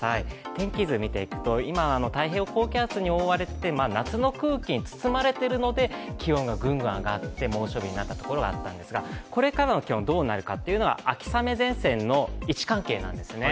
天気図見ていくと今、太平洋高気圧に覆われて、夏の空気に包まれてるので気温がぐんぐん上がって猛暑日になったところがあったんですが、これからの気温がどうなるかは秋雨前線の位置関係なんですね。